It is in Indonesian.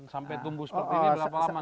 sampai tumbuh seperti ini berapa lama